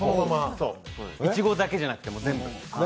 いちごだけじゃなくて、全部。